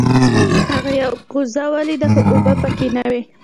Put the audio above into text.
هغه یوه کوزه ولیده خو اوبه پکې نه وې.